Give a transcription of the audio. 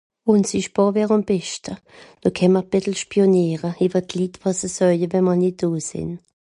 (...) àm beschte. Do kä m'r e bissel spioniere, ìwe d'Litt wàs se soeje wenn m'r nìt do sìnn.